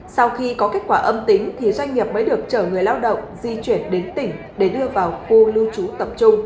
sau khi có kết quả âm tính thì doanh nghiệp mới được chở người lao động di chuyển đến tỉnh để đưa vào khu lưu trú tập trung